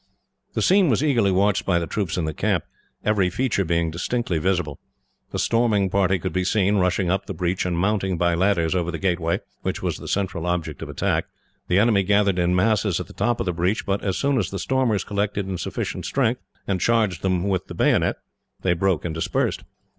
The scene was eagerly watched by the troops in the camp, every feature being distinctly visible. The storming party could be seen, rushing up the breach and mounting, by ladders, over the gateway, which was the central object of attack. The enemy gathered in masses at the top of the breach, but as soon as the stormers collected in sufficient strength, and charged them with the bayonet, they broke and dispersed.